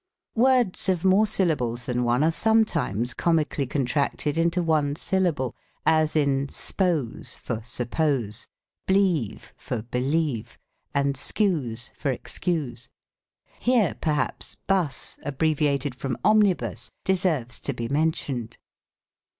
Words of more syllables than one are sometimes comically contracted into one syllable ; .as, in s'pose for suppose, b'lieve for believe, and 'seuse for excuse : here, perhaps, 'buss, abbreviated from omnibus, de serves to be mentioned.